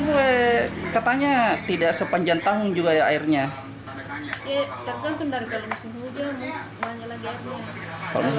bukatnya tidak sepanjang tahun juga airnya tergantung dari ujung ujung banyak jalan airnya